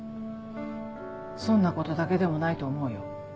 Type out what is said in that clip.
損なことだけでもないと思うよ。